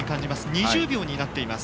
２０秒になっています。